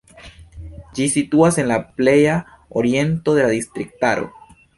Ĝi situas en la pleja oriento de la distriktaro.